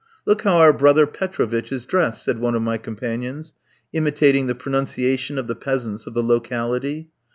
"Look how our brother Petrovitch is dressed," said one of my companions, imitating the pronunciation of the peasants of the locality.